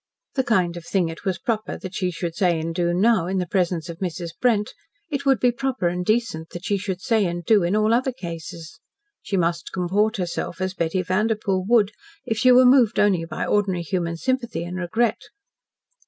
The kind of thing it was proper that she should say and do now, in the presence of Mrs. Brent, it would be proper and decent that she should say and do in all other cases. She must comport herself as Betty Vanderpoel would if she were moved only by ordinary human sympathy and regret.